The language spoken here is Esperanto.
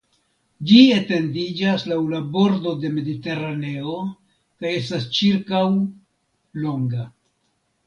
Ĝi etendiĝas laŭ la bordo de Mediteraneo kaj estas ĉirkaŭ longa.